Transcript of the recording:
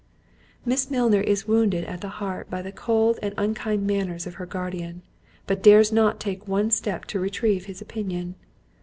Miss Milner is wounded at the heart by the cold and unkind manners of her guardian, but dares not take one step to retrieve his opinion.